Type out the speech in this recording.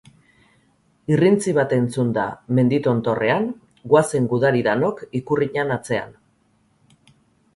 Irrintzi bat entzunda mendi tontorrean, goazen gudari danok Ikurriñan atzean.